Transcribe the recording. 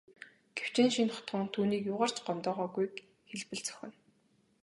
Гэвч энэ шинэ хотхон түүнийг юугаар ч гомдоогоогүйг хэлбэл зохино.